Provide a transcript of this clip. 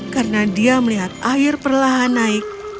karena dia melihat air perlahan naik